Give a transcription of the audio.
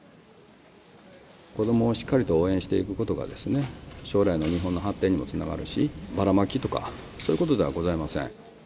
子どもをしっかりと応援していくことがですね、将来の日本の発展にもつながるし、ばらまきとかそういうことではございません。